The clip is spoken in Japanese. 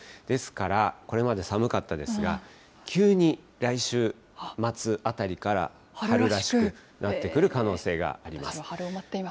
ですから、これまで寒かったですが、急に来週末あたりから、春らしくなってくる可能性があります。